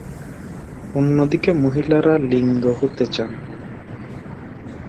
অন্যদিকে, মহিলারা লিঙ্গ হতে চান।